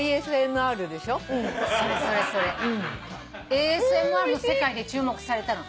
ＡＳＭＲの世界で注目されたの。